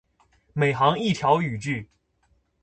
每行一条语句